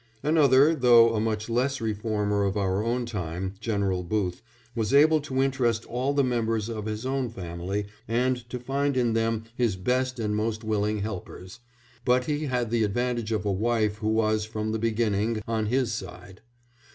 Another, though a much less reformer of our own time, General Booth, was able to interest all the members of his own family, and to find in them his best and most willing helpers, but he had the advantage of a wife who was, from the beginning, on his side.